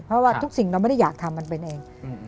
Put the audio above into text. เพราะว่าทุกสิ่งเราไม่ได้อยากทำมันเป็นเอง